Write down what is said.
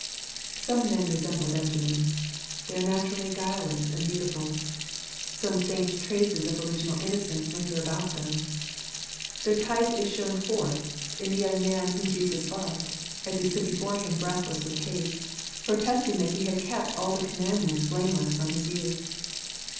Some men resemble Benjamin. They are naturally guile less and beautiful. Some faint traces of original innocence linger about them. Their type is shown forth in the young 102 fcseplfs %uanb Snterbtem fautlj W& gwtbreit. man whom Jesus loved, as he stood before Him breathless with haste, protesting that he had kept all the command ments blameless from his youth.